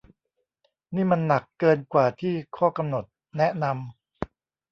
นี่มันหนักเกินกว่าที่ข้อกำหนดแนะนำ